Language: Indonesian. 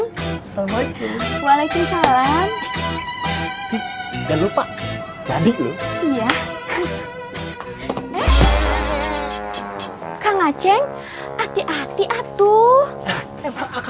hai selamat walaikum salam dan lupa tadi iya kang aceh hati hati atuh